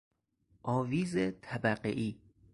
آویز طبقه ای